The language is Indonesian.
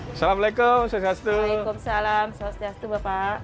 assalamualaikum assalamualaikum assalamualaikum assalamualaikum assalamualaikum bapak